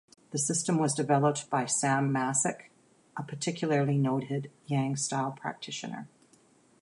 The system was developed by Sam Masich, a particularly noted Yang style practitioner.